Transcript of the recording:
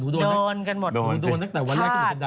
โดนกันหมดโดนสิคาด